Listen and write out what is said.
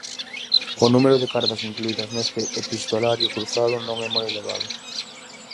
O número de cartas incluídas neste epistolario cruzado non é moi elevado.